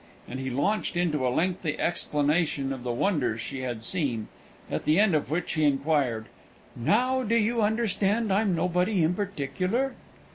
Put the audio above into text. And he launched into a lengthy explanation of the wonders she had seen, at the end of which he inquired, "Now do you understand I'm nobody in particular?"